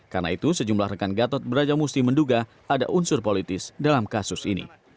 karena itu sejumlah rekan gatot brajamusti menduga ada unsur politis dalam kasus ini